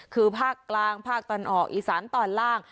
คือภาคกลางภาคตะวันออกอีสานตอนล่าง